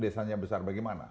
desanya besar bagaimana